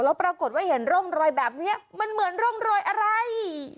แล้วปรากฏว่าเห็นร่องรอยแบบนี้มันเหมือนร่องรอยอะไร